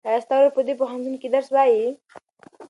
ایا ستا ورور په دې پوهنتون کې درس وایي؟